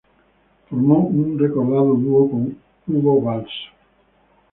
Formó un recordado dúo con Hugo Balzo.